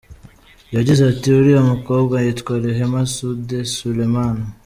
Yagize ati “Uriya mukobwa yitwa Rehema Sudi Suleiman.